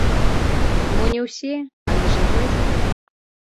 Мо не ўсе, але ж рэзалі.